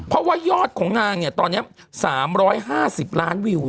เพราะว่ายอดของนางเนี่ยตอนเนี้ยสามร้อยห้าสิบล้านวิว